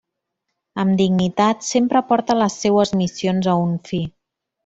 Amb dignitat, sempre porta les seues missions a un fi.